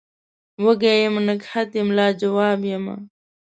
وږم یم نګهت یم لا جواب یمه